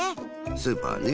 スーパーね。